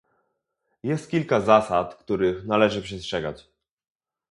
Jest kilka zasad, których należy przestrzegać